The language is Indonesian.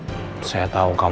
akuiksi biarryan yang diberikan